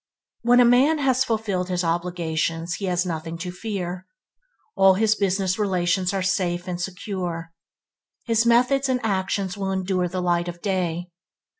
When a man has fulfilled his obligations, he has nothing to fear. All his business relations are safe and secure. His methods and actions will endure the light of day.